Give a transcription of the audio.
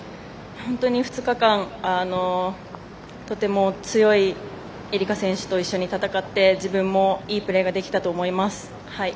本当に２日間とても強い絵理香選手と戦って、自分もいいプレーができたと思います。